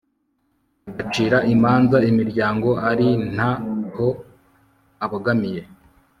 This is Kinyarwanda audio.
agacira imanza imiryango ari nta ho abogamiye